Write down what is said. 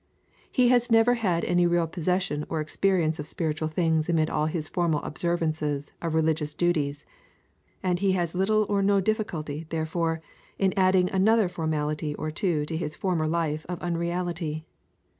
He has never had any real possession or experience of spiritual things amid all his formal observances of religious duties, and he has little or no difficulty, therefore, in adding another formality or two to his former life of unreality.